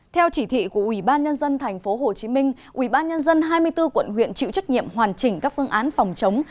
theo chỉ thị của ubnd tp hcm ubnd hai mươi bốn quận huyện chịu trách nhiệm hoàn chỉnh các phương án phòng chống